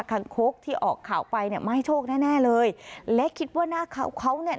คางโค๊กที่ออกข่าวไปไม่ให้โชคแน่เลยและคิดว่าน่าเขาเนี่ย